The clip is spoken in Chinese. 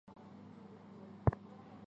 而购物中心方面则有海峡岸广场。